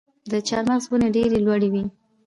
د چهارمغز ونې ډیرې لوړې وي.